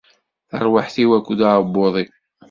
Tarwiḥt-iw akked uɛebbuḍ-iw.